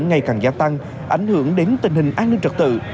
ngày càng gia tăng ảnh hưởng đến tình hình an ninh trật tự